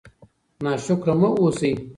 ناشکره مه اوسئ.